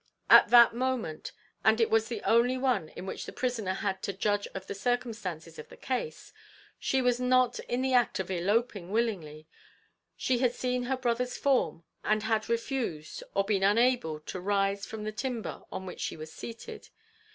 At that moment and it was the only one in which the prisoner had to judge of the circumstances of the case she was not in the act of eloping willingly; she had seen her brother's form, and had refused, or been unable, to rise from the timber on which she was seated.